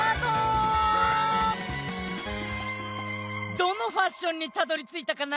どのファッションにたどりついたかな？